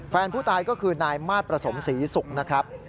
แฟนผู้ตายก็คือนายมาตรประสมศรีศุกร์นะครับ